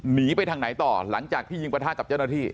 หนีไปทางไหนต่อหลังจากที่ยิงประทะกับเจ้าหน้าที่